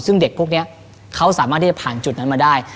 ซึ่งเด็กพวกนี้เขาสามารถที่จะผ่านจุดนั้นมาได้